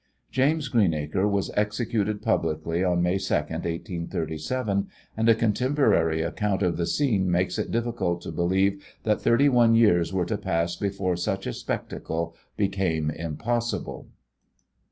James Greenacre was executed publicly on May 2nd, 1837, and a contemporary account of the scene makes it difficult to believe that thirty one years were to pass before such a spectacle became impossible.